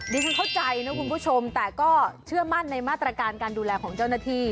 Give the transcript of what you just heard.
ฉันเข้าใจนะคุณผู้ชมแต่ก็เชื่อมั่นในมาตรการการดูแลของเจ้าหน้าที่